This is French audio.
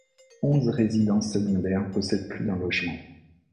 Onze résidences secondaires possèdent plus d’un logement.